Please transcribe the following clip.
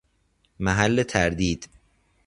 محل تردید